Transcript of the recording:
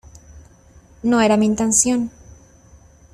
No era mi intención.